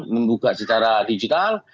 menggugat secara digital